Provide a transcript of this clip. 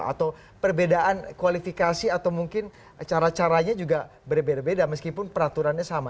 atau perbedaan kualifikasi atau mungkin cara caranya juga berbeda beda meskipun peraturannya sama